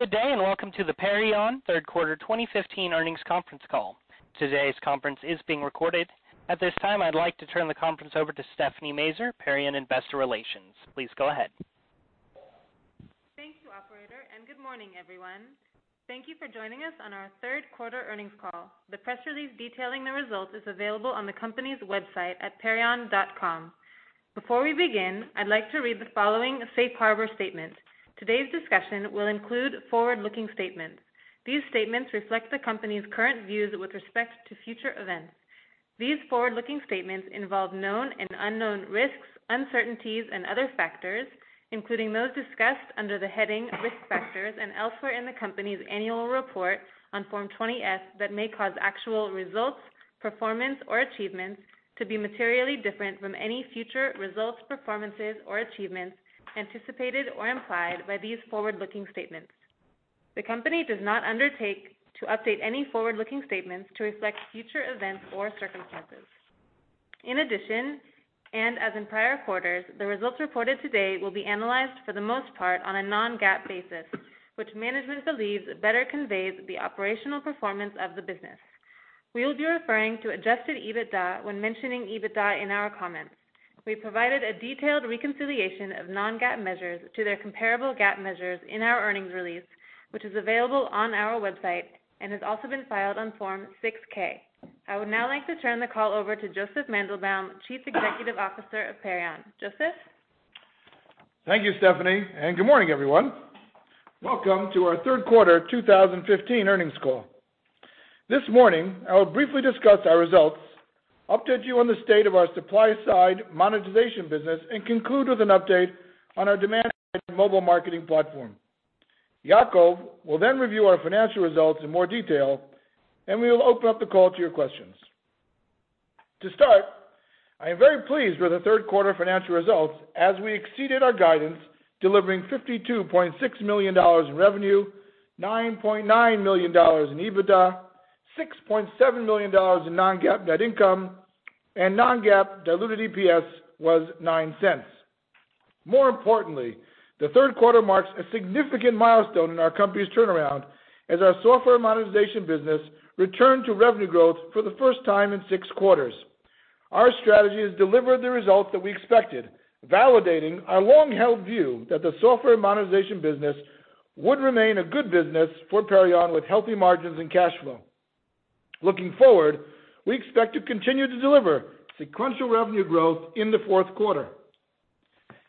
Good day. Welcome to the Perion third quarter 2015 earnings conference call. Today's conference is being recorded. At this time, I'd like to turn the conference over to Stephanie Mazer, Perion Investor Relations. Please go ahead. Thank you, operator. Good morning, everyone. Thank you for joining us on our third quarter earnings call. The press release detailing the results is available on the company's website at perion.com. Before we begin, I'd like to read the following safe harbor statement. Today's discussion will include forward-looking statements. These statements reflect the company's current views with respect to future events. These forward-looking statements involve known and unknown risks, uncertainties, and other factors, including those discussed under the heading, Risk Factors, and elsewhere in the company's annual report on Form 20-F that may cause actual results, performance, or achievements to be materially different from any future results, performances, or achievements anticipated or implied by these forward-looking statements. The company does not undertake to update any forward-looking statements to reflect future events or circumstances. In addition, as in prior quarters, the results reported today will be analyzed for the most part on a non-GAAP basis, which management believes better conveys the operational performance of the business. We will be referring to adjusted EBITDA when mentioning EBITDA in our comments. We provided a detailed reconciliation of non-GAAP measures to their comparable GAAP measures in our earnings release, which is available on our website and has also been filed on Form 6-K. I would now like to turn the call over to Josef Mandelbaum, Chief Executive Officer of Perion. Joseph? Thank you, Stephanie. Good morning, everyone. Welcome to our third quarter 2015 earnings call. This morning, I will briefly discuss our results, update you on the state of our supply-side monetization business, conclude with an update on our demand-side mobile marketing platform. Yacov will review our financial results in more detail, we will open up the call to your questions. To start, I am very pleased with the third quarter financial results as we exceeded our guidance, delivering $52.6 million in revenue, $9.9 million in EBITDA, $6.7 million in non-GAAP net income, non-GAAP diluted EPS was $0.09. More importantly, the third quarter marks a significant milestone in our company's turnaround as our software monetization business returned to revenue growth for the first time in six quarters. Our strategy has delivered the results that we expected, validating our long-held view that the software monetization business would remain a good business for Perion, with healthy margins and cash flow. Looking forward, we expect to continue to deliver sequential revenue growth in the fourth quarter.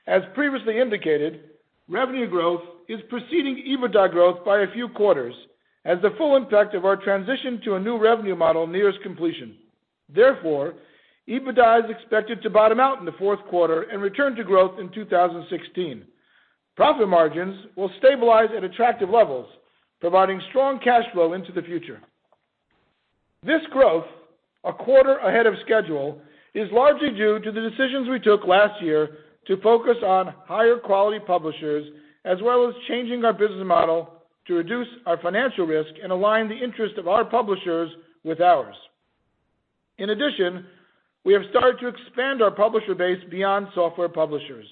As previously indicated, revenue growth is preceding EBITDA growth by a few quarters as the full impact of our transition to a new revenue model nears completion. Therefore, EBITDA is expected to bottom out in the fourth quarter and return to growth in 2016. Profit margins will stabilize at attractive levels, providing strong cash flow into the future. This growth, a quarter ahead of schedule, is largely due to the decisions we took last year to focus on higher quality publishers as well as changing our business model to reduce our financial risk and align the interest of our publishers with ours. In addition, we have started to expand our publisher base beyond software publishers.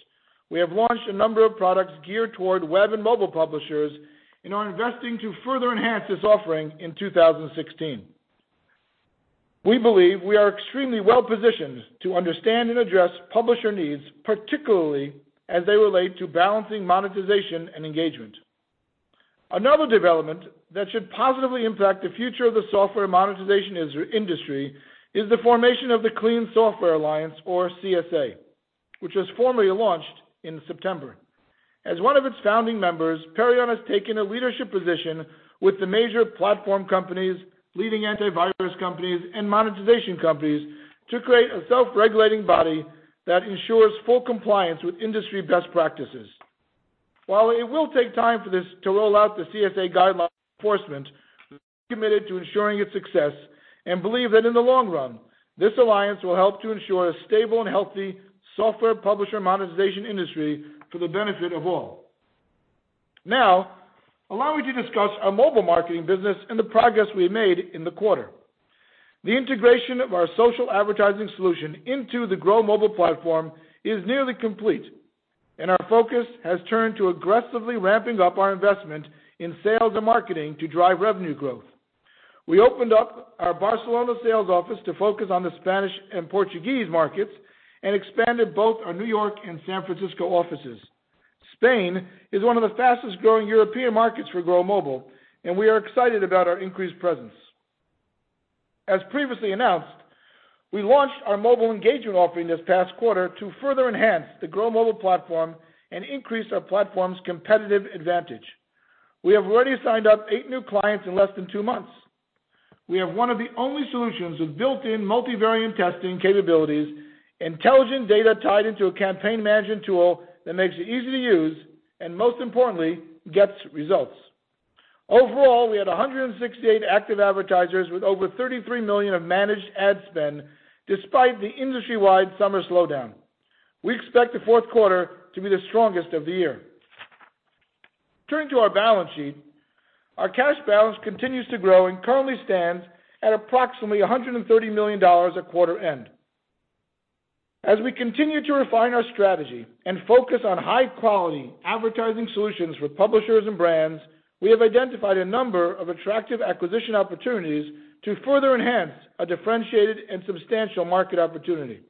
We have launched a number of products geared toward web and mobile publishers and are investing to further enhance this offering in 2016. We believe we are extremely well-positioned to understand and address publisher needs, particularly as they relate to balancing monetization and engagement. Another development that should positively impact the future of the software monetization industry is the formation of the Clean Software Alliance, or CSA, which was formally launched in September. As one of its founding members, Perion has taken a leadership position with the major platform companies, leading antivirus companies, and monetization companies to create a self-regulating body that ensures full compliance with industry best practices. While it will take time for this to roll out the CSA guideline enforcement, we are committed to ensuring its success and believe that in the long run, this alliance will help to ensure a stable and healthy software publisher monetization industry for the benefit of all. Allow me to discuss our mobile marketing business and the progress we made in the quarter. The integration of our social advertising solution into the Grow Mobile platform is nearly complete, and our focus has turned to aggressively ramping up our investment in sales and marketing to drive revenue growth. We opened up our Barcelona sales office to focus on the Spanish and Portuguese markets and expanded both our New York and San Francisco offices. Spain is one of the fastest-growing European markets for Grow Mobile, and we are excited about our increased presence. As previously announced, we launched our mobile engagement offering this past quarter to further enhance the Grow Mobile platform and increase our platform's competitive advantage. We have already signed up eight new clients in less than two months. We have one of the only solutions with built-in multivariate testing capabilities, intelligent data tied into a campaign management tool that makes it easy to use, and most importantly, gets results. Overall, we had 168 active advertisers with over $33 million of managed ad spend despite the industry-wide summer slowdown. We expect the fourth quarter to be the strongest of the year. Turning to our balance sheet, our cash balance continues to grow and currently stands at approximately $130 million at quarter end. As we continue to refine our strategy and focus on high-quality advertising solutions for publishers and brands, we have identified a number of attractive acquisition opportunities to further enhance a differentiated and substantial market opportunity.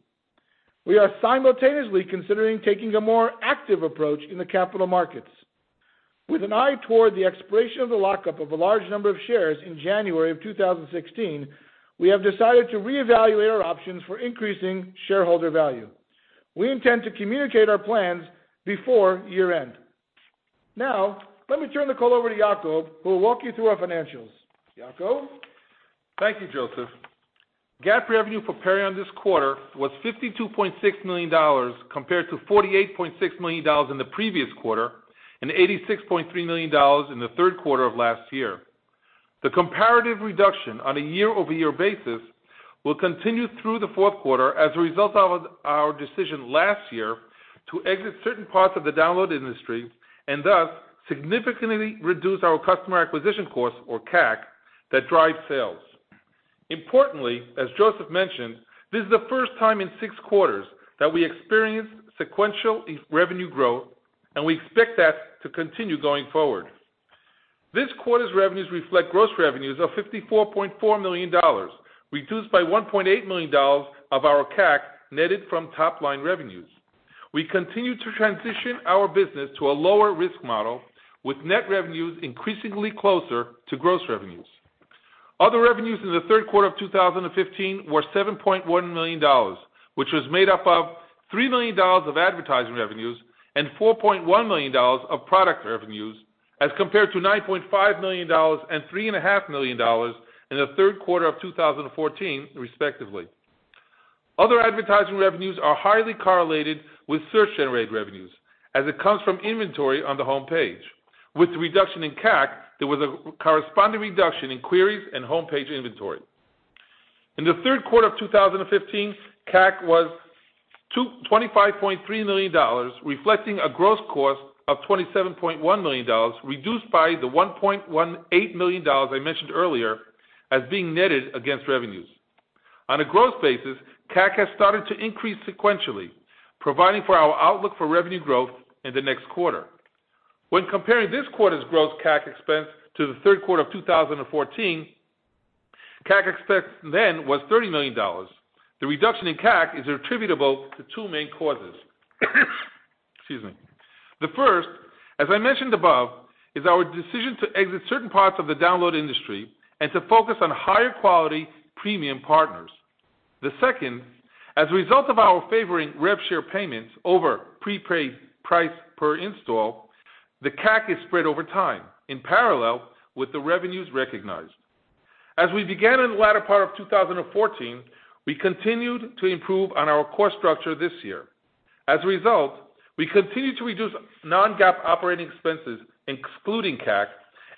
We are simultaneously considering taking a more active approach in the capital markets. With an eye toward the expiration of the lockup of a large number of shares in January of 2016, we have decided to reevaluate our options for increasing shareholder value. We intend to communicate our plans before year-end. Let me turn the call over to Yacov, who will walk you through our financials. Yacov? Thank you, Josef. GAAP revenue for Perion this quarter was $52.6 million, compared to $48.6 million in the previous quarter and $86.3 million in the third quarter of last year. The comparative reduction on a year-over-year basis will continue through the fourth quarter as a result of our decision last year to exit certain parts of the download industry, and thus, significantly reduce our customer acquisition costs, or CAC, that drive sales. Importantly, as Josef mentioned, this is the first time in six quarters that we experienced sequential revenue growth, and we expect that to continue going forward. This quarter's revenues reflect gross revenues of $54.4 million, reduced by $1.8 million of our CAC netted from top-line revenues. We continue to transition our business to a lower-risk model with net revenues increasingly closer to gross revenues. Other revenues in the third quarter of 2015 were $7.1 million, which was made up of $3 million of advertising revenues and $4.1 million of product revenues as compared to $9.5 million and $3.5 million in the third quarter of 2014, respectively. Other advertising revenues are highly correlated with search-generated revenues, as it comes from inventory on the homepage. With the reduction in CAC, there was a corresponding reduction in queries and homepage inventory. In the third quarter of 2015, CAC was $25.3 million, reflecting a gross cost of $27.1 million, reduced by the $1.18 million I mentioned earlier as being netted against revenues. On a gross basis, CAC has started to increase sequentially, providing for our outlook for revenue growth in the next quarter. When comparing this quarter's gross CAC expense to the third quarter of 2014, CAC expense then was $30 million. The reduction in CAC is attributable to two main causes. Excuse me. The first, as I mentioned above, is our decision to exit certain parts of the download industry and to focus on higher-quality premium partners. The second, as a result of our favoring revenue sharing payments over prepaid price per install, the CAC is spread over time, in parallel with the revenues recognized. As we began in the latter part of 2014, we continued to improve on our cost structure this year. As a result, we continue to reduce non-GAAP operating expenses, excluding CAC,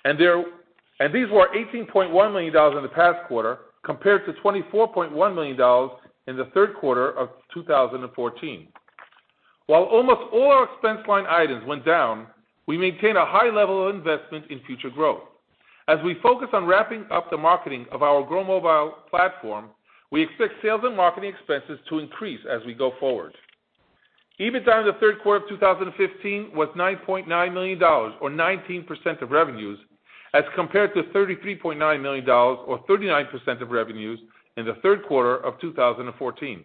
and these were $18.1 million in the past quarter, compared to $24.1 million in the third quarter of 2014. While almost all our expense line items went down, we maintained a high level of investment in future growth. As we focus on wrapping up the marketing of our Grow Mobile platform, we expect sales and marketing expenses to increase as we go forward. EBITDA in the third quarter of 2015 was $9.9 million or 19% of revenues as compared to $33.9 million or 39% of revenues in the third quarter of 2014.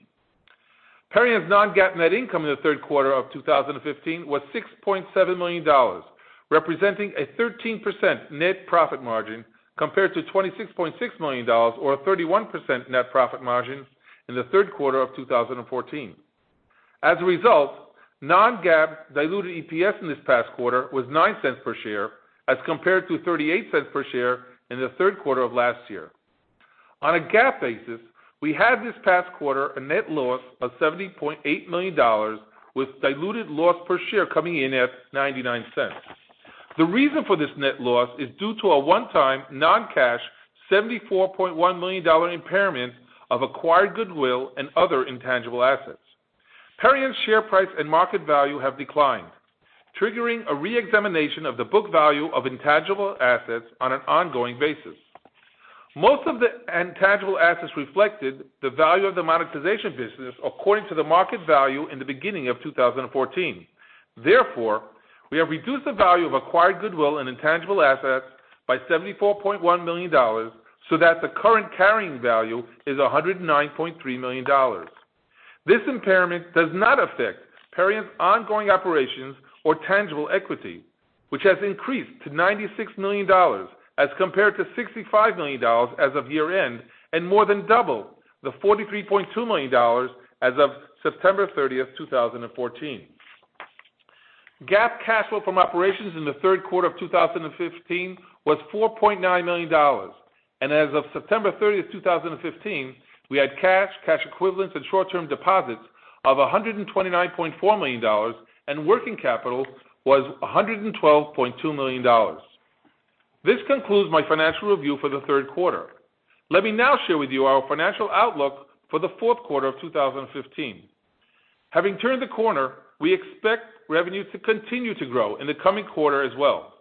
Perion's non-GAAP net income in the third quarter of 2015 was $6.7 million, representing a 13% net profit margin compared to $26.6 million or a 31% net profit margin in the third quarter of 2014. As a result, non-GAAP diluted EPS in this past quarter was $0.09 per share as compared to $0.38 per share in the third quarter of last year. On a GAAP basis, we had this past quarter a net loss of $70.8 million with diluted loss per share coming in at $0.99. The reason for this net loss is due to a one-time non-cash $74.1 million impairment of acquired goodwill and other intangible assets. Perion's share price and market value have declined, triggering a re-examination of the book value of intangible assets on an ongoing basis. Most of the intangible assets reflected the value of the monetization business according to the market value in the beginning of 2014. Therefore, we have reduced the value of acquired goodwill and intangible assets by $74.1 million so that the current carrying value is $109.3 million. This impairment does not affect Perion's ongoing operations or tangible equity, which has increased to $96 million as compared to $65 million as of year-end and more than double the $43.2 million as of September 30th, 2014. GAAP cash flow from operations in the third quarter of 2015 was $4.9 million, and as of September 30th, 2015, we had cash equivalents, and short-term deposits of $129.4 million, and working capital was $112.2 million. This concludes my financial review for the third quarter. Let me now share with you our financial outlook for the fourth quarter of 2015. Having turned the corner, we expect revenue to continue to grow in the coming quarter as well.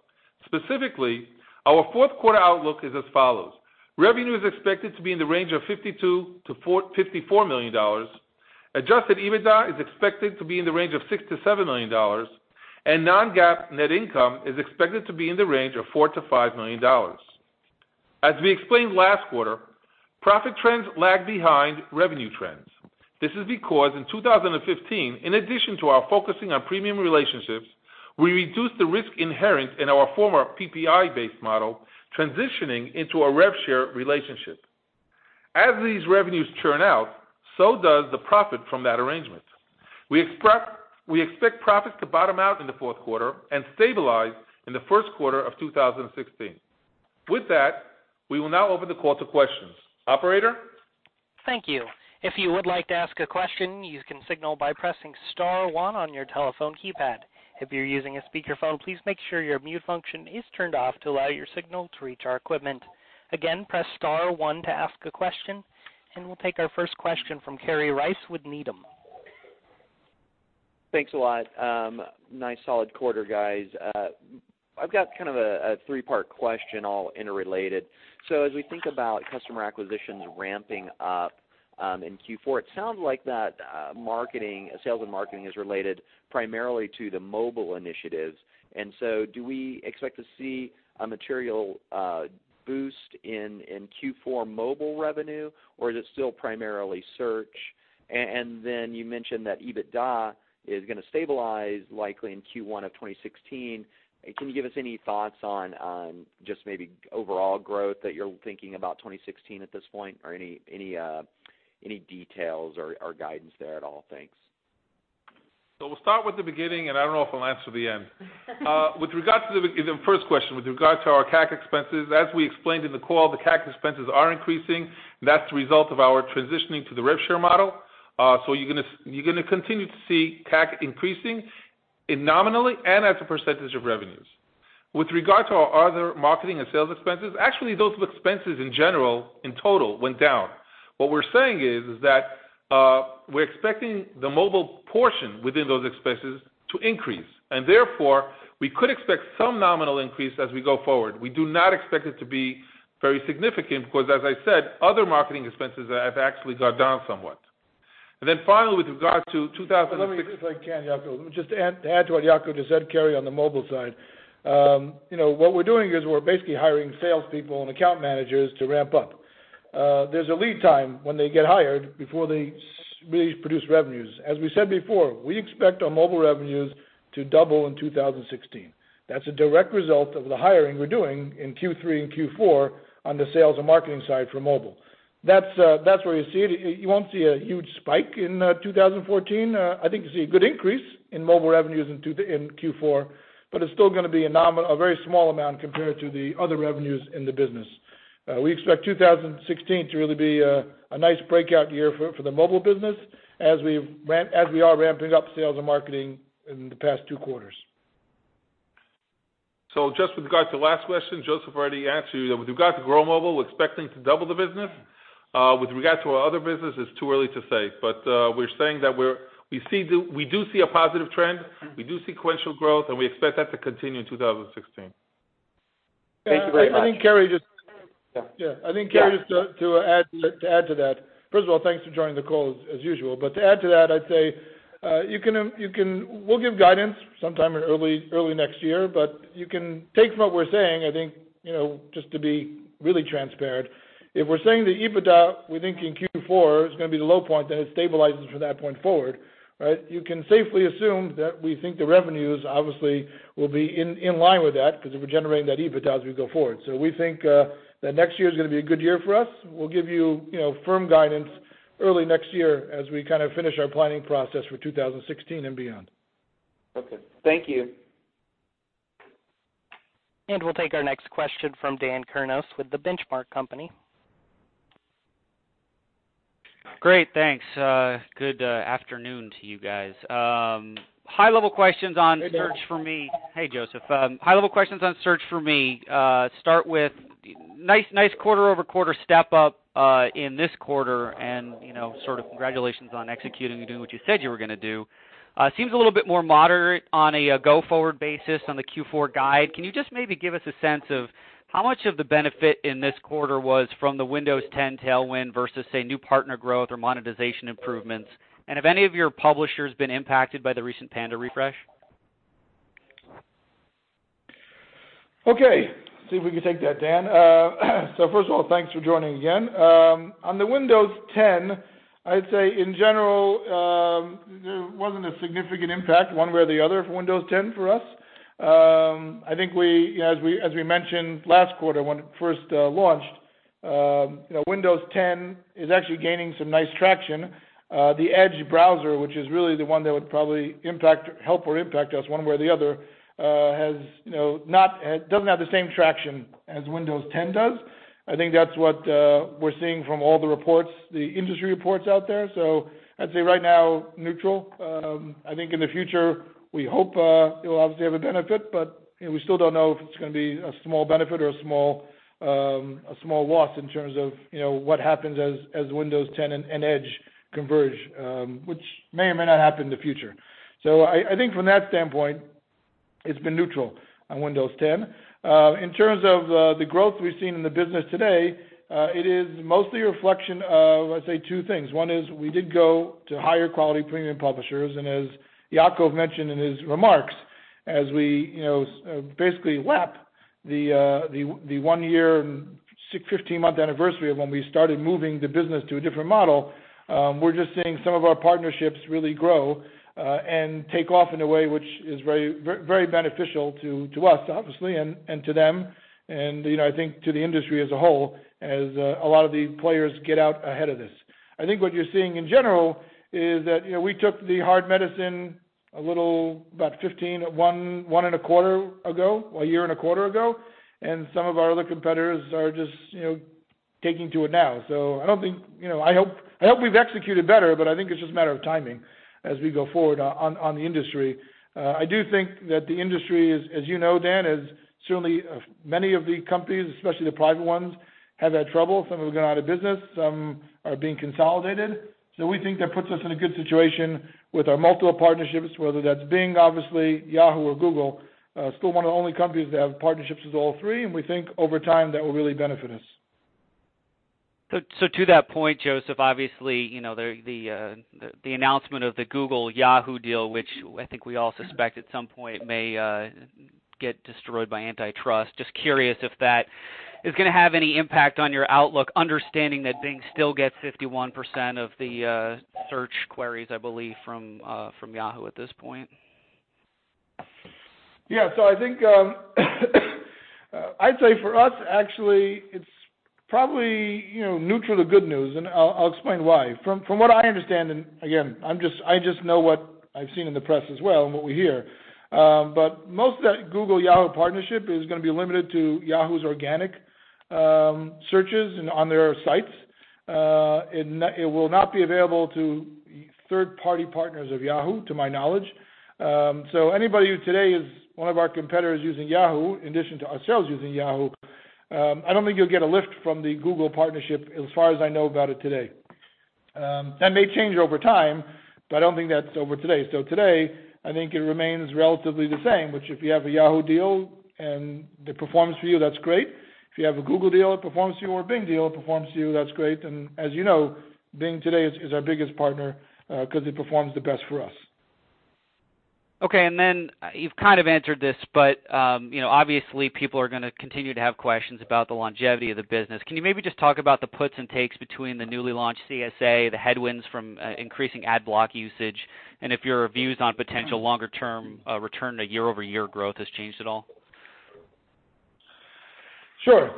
Specifically, our fourth quarter outlook is as follows. Revenue is expected to be in the range of $52 million-$54 million. Adjusted EBITDA is expected to be in the range of $6 million-$7 million, and non-GAAP net income is expected to be in the range of $4 million-$5 million. As we explained last quarter, profit trends lag behind revenue trends. This is because in 2015, in addition to our focusing on premium relationships, we reduced the risk inherent in our former PPI-based model, transitioning into a revenue sharing relationship. As these revenues churn out, so does the profit from that arrangement. We expect profits to bottom out in the fourth quarter and stabilize in the first quarter of 2016. With that, we will now open the call to questions. Operator? Thank you. If you would like to ask a question, you can signal by pressing star one on your telephone keypad. If you're using a speakerphone, please make sure your mute function is turned off to allow your signal to reach our equipment. Again, press star one to ask a question, and we'll take our first question from Kerry Rice with Needham. Thanks a lot. Nice solid quarter, guys. I've got kind of a three-part question, all interrelated. As we think about customer acquisitions ramping up in Q4, it sounds like that sales and marketing is related primarily to the mobile initiatives. Do we expect to see a material boost in Q4 mobile revenue, or is it still primarily search? You mentioned that EBITDA is going to stabilize likely in Q1 of 2016. Can you give us any thoughts on just maybe overall growth that you're thinking about 2016 at this point, or any details or guidance there at all? Thanks. We'll start with the beginning, and I don't know if I'll answer the end. With regards to the first question, with regards to our CAC expenses, as we explained in the call, the CAC expenses are increasing. That's the result of our transitioning to the revenue sharing model. You're going to continue to see CAC increasing nominally and as a percentage of revenues. With regard to our other marketing and sales expenses, actually, those expenses in general, in total, went down. What we're saying is is that we're expecting the mobile portion within those expenses to increase, and therefore, we could expect some nominal increase as we go forward. We do not expect it to be very significant because, as I said, other marketing expenses have actually gone down somewhat. Finally, with regard to 2016. Let me just. If I can, Yacov. Let me just add to what Yacov just said, Kerry, on the mobile side. What we're doing is we're basically hiring salespeople and account managers to ramp up. There's a lead time when they get hired before they really produce revenues. As we said before, we expect our mobile revenues to double in 2016. That's a direct result of the hiring we're doing in Q3 and Q4 on the sales and marketing side for mobile. That's where you see it. You won't see a huge spike in 2014. I think you'll see a good increase in mobile revenues in Q4, but it's still going to be a very small amount compared to the other revenues in the business. We expect 2016 to really be a nice breakout year for the mobile business as we are ramping up sales and marketing in the past two quarters. Just with regard to the last question, Josef already answered you. With regard to Grow Mobile, we're expecting to double the business. With regard to our other business, it's too early to say. We're saying that we do see a positive trend, we do sequential growth, and we expect that to continue in 2016. Thank you very much. I think, Kerry, just to add to that. First of all, thanks for joining the call as usual. To add to that, I'd say, we'll give guidance sometime early next year, but you can take from what we're saying, I think, just to be really transparent. If we're saying the EBITDA, we think in Q4 is going to be the low point, then it stabilizes from that point forward. You can safely assume that we think the revenues obviously will be in line with that because if we're generating that EBITDA as we go forward. We think that next year is going to be a good year for us. We'll give you firm guidance early next year as we kind of finish our planning process for 2016 and beyond. Okay. Thank you. We'll take our next question from Daniel Kurnos with The Benchmark Company. Great, thanks. Good afternoon to you guys. High-level questions on Search for Me. Hey, Dan. Hey, Josef. High-level questions on Search Monetization. Start with a nice quarter-over-quarter step-up in this quarter, and sort of congratulations on executing and doing what you said you were going to do. It seems a little bit more moderate on a go-forward basis on the Q4 guide. Can you just maybe give us a sense of how much of the benefit in this quarter was from the Windows 10 tailwind versus, say, new partner growth or monetization improvements? Have any of your publishers been impacted by the recent Google Panda refresh? Okay. See if we can take that, Dan. First of all, thanks for joining again. On the Windows 10, I'd say, in general, there wasn't a significant impact one way or the other for Windows 10 for us. I think as we mentioned last quarter when it first launched, Windows 10 is actually gaining some nice traction. The Edge browser, which is really the one that would probably help or impact us one way or the other, doesn't have the same traction as Windows 10 does. I think that's what we're seeing from all the reports, the industry reports out there. I'd say right now, neutral. I think in the future, we hope it will obviously have a benefit, but we still don't know if it's going to be a small benefit or a small loss in terms of what happens as Windows 10 and Edge converge, which may or may not happen in the future. I think from that standpoint, it's been neutral on Windows 10. In terms of the growth we've seen in the business today, it is mostly a reflection of, I'd say, two things. One is we did go to higher quality premium publishers, and as Yacov mentioned in his remarks, as we basically lap the one year and 15-month anniversary of when we started moving the business to a different model, we're just seeing some of our partnerships really grow and take off in a way which is very beneficial to us, obviously, and to them, and I think to the industry as a whole, as a lot of the players get out ahead of this. I think what you're seeing in general is that we took the hard medicine a little about one and a quarter ago, a year and a quarter ago, and some of our other competitors are just taking to it now. I hope we've executed better, but I think it's just a matter of timing as we go forward on the industry. I do think that the industry is, as you know, Dan, is certainly many of the companies, especially the private ones, have had trouble. Some have gone out of business, some are being consolidated. We think that puts us in a good situation with our multiple partnerships, whether that's Bing, obviously, Yahoo, or Google. Still one of the only companies that have partnerships with all three, and we think over time that will really benefit us. To that point, Joseph, obviously, the announcement of the Google Yahoo deal, which I think we all suspect at some point may get destroyed by antitrust. Just curious if that is going to have any impact on your outlook, understanding that Bing still gets 51% of the search queries, I believe, from Yahoo at this point. Yeah. I'd say for us, actually, it's probably neutral to good news, and I'll explain why. From what I understand, and again, I just know what I've seen in the press as well and what we hear. Most of that Google Yahoo partnership is going to be limited to Yahoo's organic searches on their sites. It will not be available to third-party partners of Yahoo, to my knowledge. Anybody who today is one of our competitors using Yahoo, in addition to ourselves using Yahoo, I don't think you'll get a lift from the Google partnership as far as I know about it today. That may change over time, but I don't think that's over today. Today, I think it remains relatively the same, which if you have a Yahoo deal and it performs for you, that's great. If you have a Google deal, it performs to you or a Bing deal, it performs to you, that's great. As you know, Bing today is our biggest partner because it performs the best for us. Okay. You've kind of answered this. Obviously people are going to continue to have questions about the longevity of the business. Can you maybe just talk about the puts and takes between the newly launched CSA, the headwinds from increasing ad block usage, and if your views on potential longer-term return to year-over-year growth has changed at all? Sure.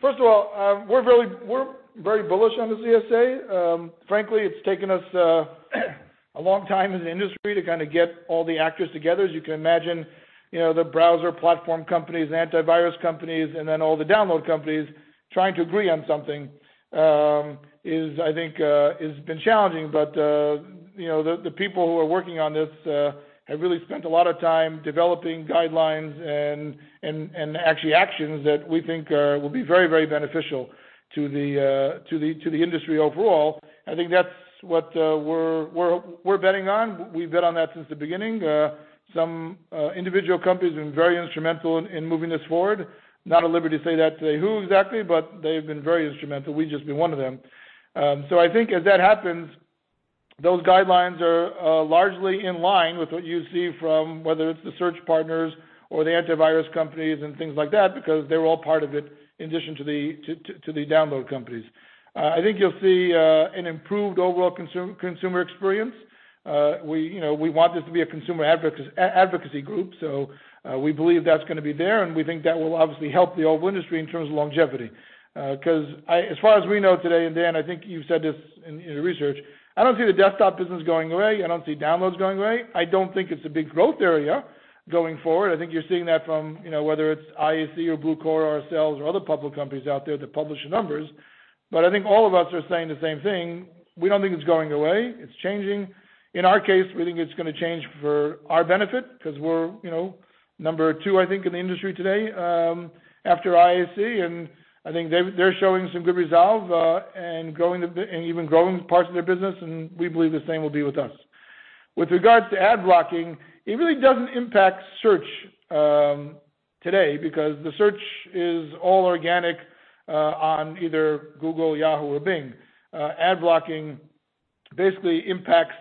First of all, we're very bullish on the CSA. Frankly, it's taken us a long time in the industry to kind of get all the actors together. As you can imagine, the browser platform companies, antivirus companies, all the download companies trying to agree on something, I think has been challenging. The people who are working on this have really spent a lot of time developing guidelines and actually actions that we think will be very beneficial to the industry overall. I think that's what we're betting on. We've bet on that since the beginning. Some individual companies have been very instrumental in moving this forward. Not at liberty to say that today who exactly, but they've been very instrumental. We've just been one of them. I think as that happens, those guidelines are largely in line with what you see from, whether it's the search partners or the antivirus companies and things like that, because they're all part of it, in addition to the download companies. I think you'll see an improved overall consumer experience. We want this to be a consumer advocacy group. We believe that's going to be there, and we think that will obviously help the old industry in terms of longevity. As far as we know today, and Dan, I think you've said this in your research, I don't see the desktop business going away. I don't see downloads going away. I don't think it's a big growth area going forward. I think you're seeing that from, whether it's IAC or Bluecore or ourselves or other public companies out there that publish numbers. I think all of us are saying the same thing. We don't think it's going away. It's changing. In our case, we think it's going to change for our benefit because we're number 2, I think, in the industry today after IAC, and I think they're showing some good resolve and even growing parts of their business, and we believe the same will be with us. With regards to ad blocking, it really doesn't impact search today because the search is all organic on either Google, Yahoo, or Bing. Ad blocking basically impacts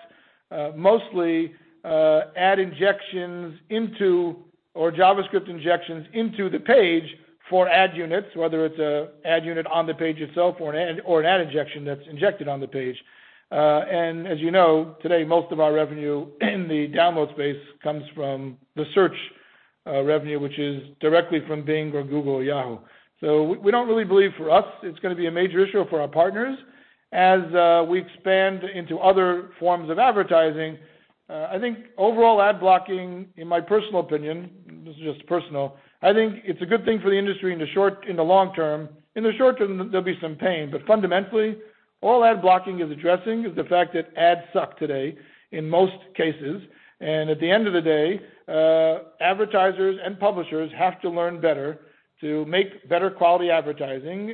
mostly ad injections into or JavaScript injections into the page for ad units, whether it's a ad unit on the page itself or an ad injection that's injected on the page. As you know, today, most of our revenue in the download space comes from the search revenue, which is directly from Bing or Google or Yahoo. We don't really believe for us it's going to be a major issue for our partners. As we expand into other forms of advertising, I think overall ad blocking, in my personal opinion, this is just personal, I think it's a good thing for the industry in the long term. In the short term, there'll be some pain, but fundamentally, all ad blocking is addressing is the fact that ads suck today in most cases. At the end of the day, advertisers and publishers have to learn better to make better quality advertising.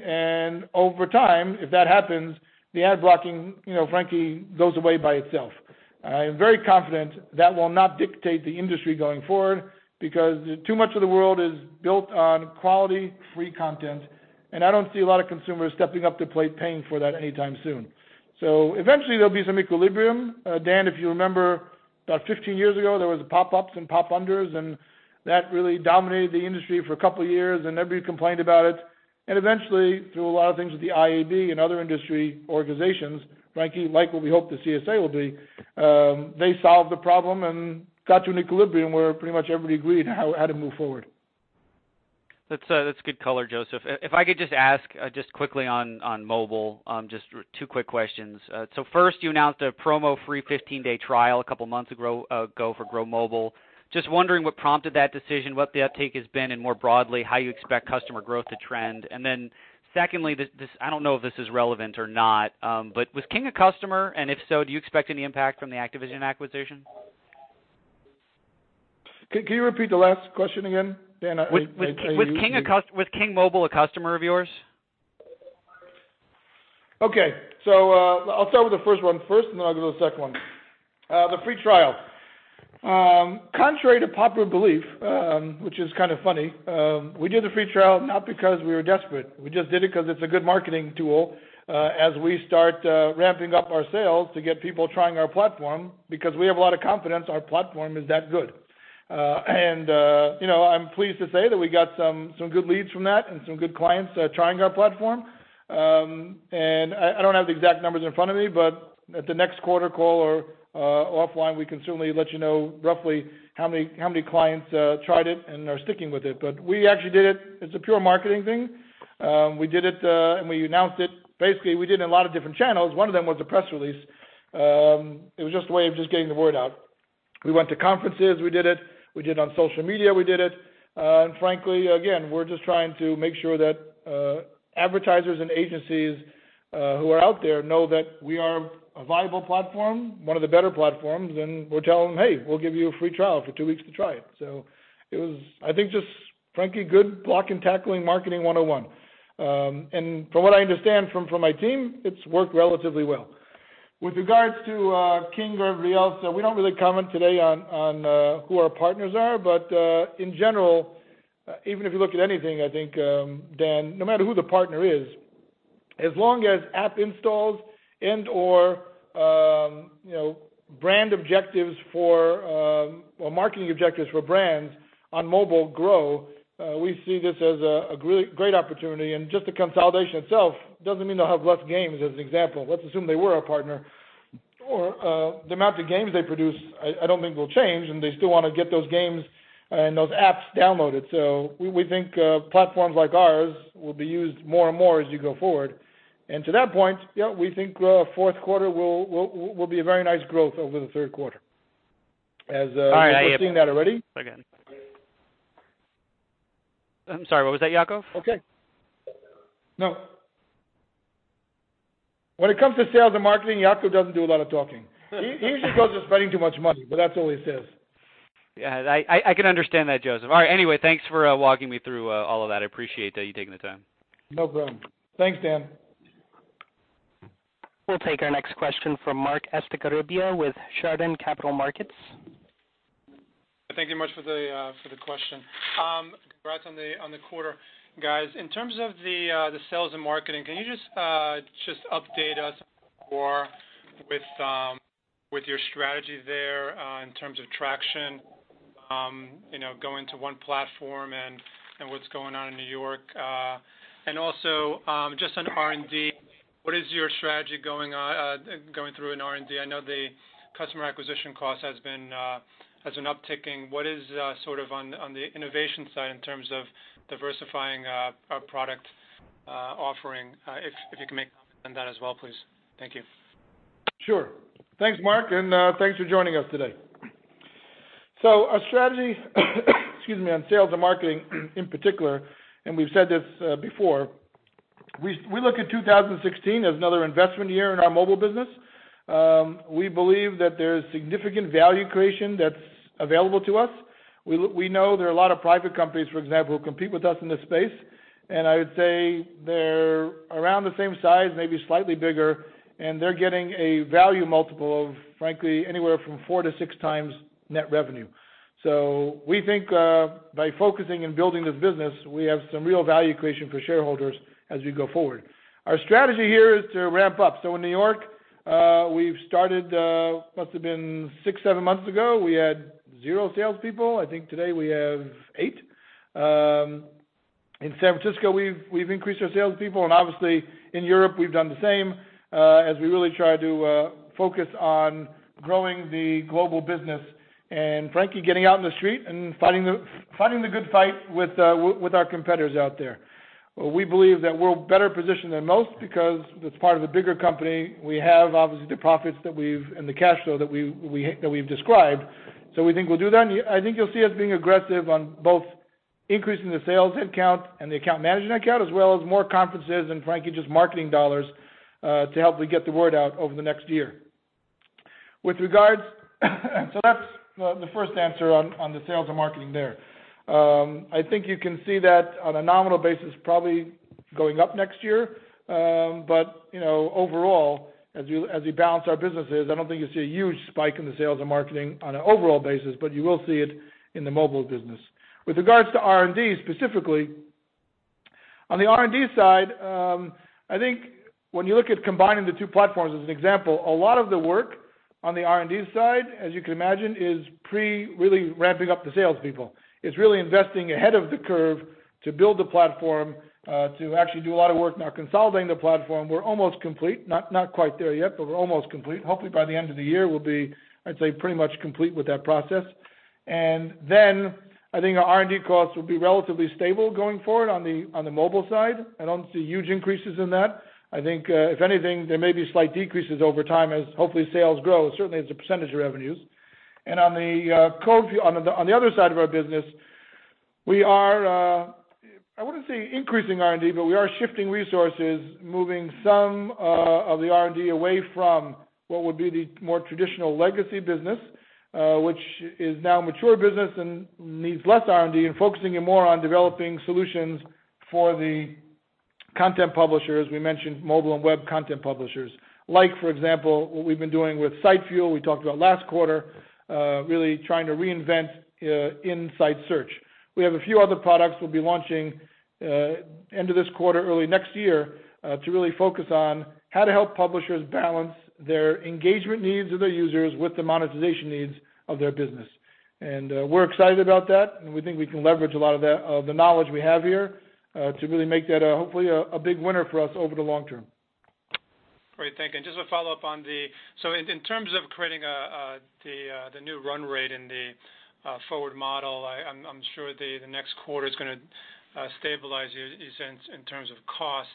Over time, if that happens, the ad blocking frankly goes away by itself. I am very confident that will not dictate the industry going forward because too much of the world is built on quality, free content, and I don't see a lot of consumers stepping up to the plate paying for that anytime soon. Eventually there'll be some equilibrium. Dan, if you remember, about 15 years ago, there was pop-ups and pop-unders, that really dominated the industry for a couple of years, everybody complained about it. Eventually, through a lot of things with the IAB and other industry organizations, frankly, like what we hope the CSA will be, they solved the problem and got to an equilibrium where pretty much everybody agreed on how to move forward. That's good color, Josef. If I could just ask quickly on mobile, just two quick questions. First, you announced a promo-free 15-day trial a couple of months ago for Grow Mobile. Just wondering what prompted that decision, what the uptake has been, and more broadly, how you expect customer growth to trend. Secondly, I don't know if this is relevant or not, but was King a customer? If so, do you expect any impact from the Activision acquisition? Can you repeat the last question again, Dan? Was King Mobile a customer of yours? Okay. I'll start with the first one first. I'll go to the second one. The free trial. Contrary to popular belief, which is kind of funny, we did the free trial not because we were desperate. We just did it because it's a good marketing tool as we start ramping up our sales to get people trying our platform because we have a lot of confidence our platform is that good. I'm pleased to say that we got some good leads from that and some good clients trying our platform. I don't have the exact numbers in front of me. At the next quarter call or offline, we can certainly let you know roughly how many clients tried it and are sticking with it. We actually did it as a pure marketing thing. We did it. We announced it. Basically, we did it in a lot of different channels. One of them was the press release. It was just a way of just getting the word out. We went to conferences. We did it. We did it on social media. Frankly, again, we're just trying to make sure that advertisers and agencies who are out there know that we are a viable platform, one of the better platforms, and we're telling them, "Hey, we'll give you a free trial for two weeks to try it." It was, I think, just frankly, good block and tackling Marketing 101. From what I understand from my team, it's worked relatively well. With regards to King or everybody else, we don't really comment today on who our partners are. In general, even if you look at anything, I think, Dan, no matter who the partner is, as long as app installs and/or brand objectives for or marketing objectives for brands on mobile grow. We see this as a great opportunity. Just the consolidation itself doesn't mean they'll have less games as an example. Let's assume they were our partner. The amount of games they produce, I don't think will change, and they still want to get those games and those apps downloaded. We think platforms like ours will be used more and more as you go forward. To that point, yeah, we think fourth quarter will be a very nice growth over the third quarter as. All right we've seen that already. Sorry, go ahead. I'm sorry, what was that, Yacov? Okay. No. When it comes to sales and marketing, Yacov doesn't do a lot of talking. He usually goes with spending too much money, but that's all he says. Yeah, I can understand that, Josef. All right. Thanks for walking me through all of that. I appreciate that you taking the time. No problem. Thanks, Dan. We'll take our next question from Marc Estigarribia with Chardan Capital Markets. Thank you much for the question. Congrats on the quarter, guys. In terms of the sales and marketing, can you just update us more with your strategy there in terms of traction going to one platform and what's going on in New York? Also, just on R&D, what is your strategy going through in R&D? I know the customer acquisition cost has been upticking. What is sort of on the innovation side in terms of diversifying a product offering? If you can make comment on that as well, please. Thank you. Sure. Thanks, Marc, and thanks for joining us today. Our strategy on sales and marketing in particular, and we've said this before, we look at 2016 as another investment year in our mobile business. We believe that there's significant value creation that's available to us. We know there are a lot of private companies, for example, who compete with us in this space, and I would say they're around the same size, maybe slightly bigger, and they're getting a value multiple of, frankly, anywhere from 4 to 6 times net revenue. We think by focusing and building this business, we have some real value creation for shareholders as we go forward. Our strategy here is to ramp up. In New York, we've started, must've been six, seven months ago. We had zero salespeople. I think today we have eight. In San Francisco, we've increased our salespeople, and obviously in Europe, we've done the same as we really try to focus on growing the global business and frankly, getting out in the street and fighting the good fight with our competitors out there. We believe that we're better positioned than most because as part of the bigger company, we have, obviously, the profits and the cash flow that we've described. We think we'll do that, and I think you'll see us being aggressive on both increasing the sales headcount and the account management headcount, as well as more conferences and frankly, just marketing dollars to help us get the word out over the next year. That's the first answer on the sales and marketing there. I think you can see that on a nominal basis, probably going up next year. Overall, as we balance our businesses, I don't think you'll see a huge spike in the sales and marketing on an overall basis, but you will see it in the mobile business. With regards to R&D specifically, on the R&D side, I think when you look at combining the two platforms as an example, a lot of the work on the R&D side, as you can imagine, is pre really ramping up the salespeople. It's really investing ahead of the curve to build the platform, to actually do a lot of work now consolidating the platform. We're almost complete. Not quite there yet, but we're almost complete. Hopefully by the end of the year, we'll be, I'd say, pretty much complete with that process. I think our R&D costs will be relatively stable going forward on the mobile side. I don't see huge increases in that. I think, if anything, there may be slight decreases over time as hopefully sales grow. Certainly, it's a percentage of revenues. On the other side of our business, we are, I wouldn't say increasing R&D, but we are shifting resources, moving some of the R&D away from what would be the more traditional legacy business, which is now a mature business and needs less R&D and focusing it more on developing solutions for the content publishers. We mentioned mobile and web content publishers. For example, what we've been doing with CodeFuel, we talked about last quarter, really trying to reinvent inside search. We have a few other products we'll be launching end of this quarter, early next year, to really focus on how to help publishers balance their engagement needs of their users with the monetization needs of their business. We're excited about that, and we think we can leverage a lot of the knowledge we have here to really make that, hopefully, a big winner for us over the long term. Great. Thank you. Just to follow up, so in terms of creating the new run rate in the forward model, I'm sure the next quarter is going to stabilize you in terms of cost.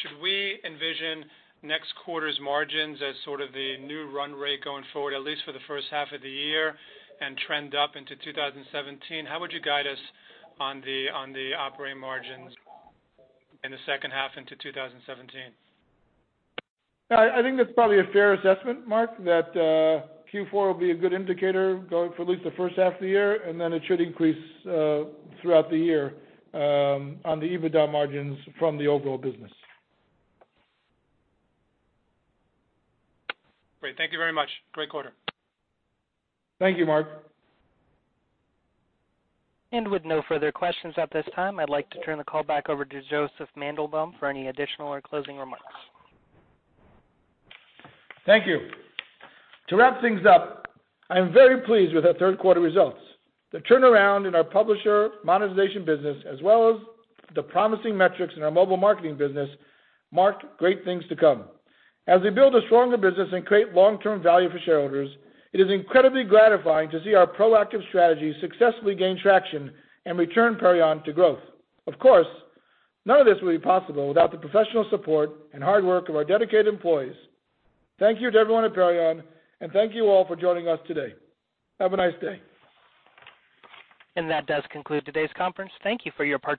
Should we envision next quarter's margins as sort of the new run rate going forward, at least for the first half of the year and trend up into 2017? How would you guide us on the operating margins in the second half into 2017? I think that's probably a fair assessment, Marc, that Q4 will be a good indicator going for at least the first half of the year, and then it should increase throughout the year on the EBITDA margins from the overall business. Great. Thank you very much. Great quarter. Thank you, Marc. With no further questions at this time, I'd like to turn the call back over to Josef Mandelbaum for any additional or closing remarks. Thank you. To wrap things up, I am very pleased with our third quarter results. The turnaround in our publisher monetization business, as well as the promising metrics in our mobile marketing business, mark great things to come. As we build a stronger business and create long-term value for shareholders, it is incredibly gratifying to see our proactive strategy successfully gain traction and return Perion to growth. Of course, none of this would be possible without the professional support and hard work of our dedicated employees. Thank you to everyone at Perion, and thank you all for joining us today. Have a nice day. That does conclude today's conference. Thank you for your participation.